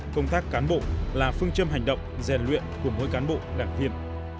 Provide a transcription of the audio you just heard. công tác cán bộ là phương châm hành động rèn luyện của mỗi cán bộ đảng viên